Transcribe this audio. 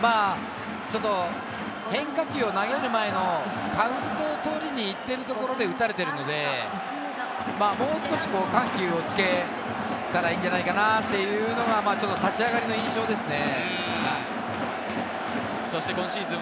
ちょっと変化球を投げる前の、カウントを取りにいってるところで打たれているので、もう少し緩急をつけたらいいんじゃないかなというのが、立ち上がりの印象ですね。